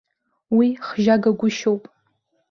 Уи хжьагагәышьоуп.